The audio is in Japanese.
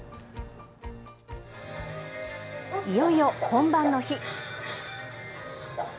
いよいよ本番の日。